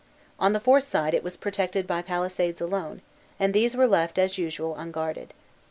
On the fourth side it was protected by palisades alone; and these were left, as usual, unguarded.